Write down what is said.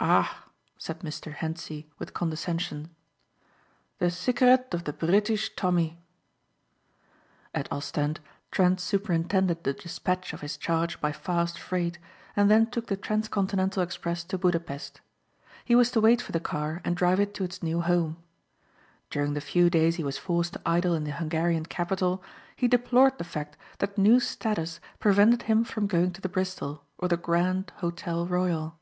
"Ah," said Mr. Hentzi with condescension, "the cigarette of the Briteesh Tommee!" At Ostend, Trent superintended the despatch of his charge by fast freight and then took the trans continental express to Budapest. He was to wait for the car and drive it to its new home. During the few days he was forced to idle in the Hungarian capital he deplored the fact that new status prevented him from going to the Bristol or the Grand Hotel Royal.